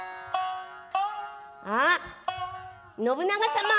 「あっ信長様ッ」。